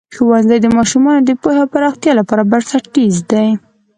ښوونځی د ماشومانو د پوهې د پراختیا لپاره بنسټیز دی.